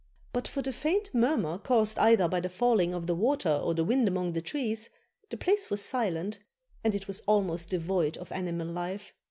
But for the faint murmur caused either by the falling of the water or the wind among the trees, the place was silent, and it was almost devoid of animal life.